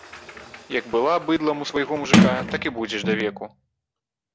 Як была быдлам у свайго мужыка, так і будзеш давеку.